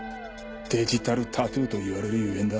デジタルタトゥーといわれるゆえんだ。